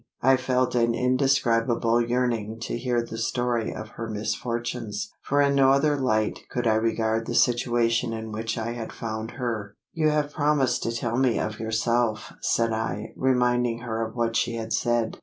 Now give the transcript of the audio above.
I felt an indescribable yearning to hear the story of her misfortunes: for in no other light could I regard the situation in which I had found her. "You have promised to tell me of yourself?" said I, reminding her of what she had said.